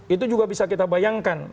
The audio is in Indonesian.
itu juga bisa kita bayangkan